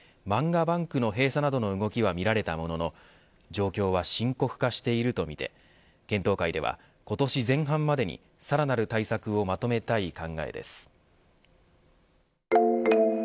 漫画ＢＡＮＫの閉鎖などの動きは見られたものの状況は深刻化しているとみて検討会では今年前半までにさらなる対策を求めたい考えです。